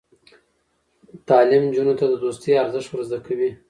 تعلیم نجونو ته د دوستۍ ارزښت ور زده کوي.